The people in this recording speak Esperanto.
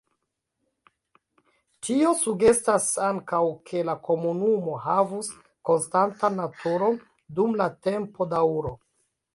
Tio sugestas ankaŭ, ke la komunumo havus konstantan naturon dum la tempodaŭro.